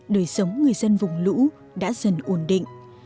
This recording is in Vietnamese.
đời sống người dân vùng lũ đã dần ổn định